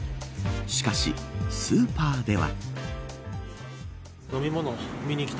しかし、スーパーでは。